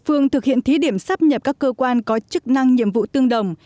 phương thực hiện thí điểm sắp nhập các cơ quan có chức năng nhiệm vụ tương đồng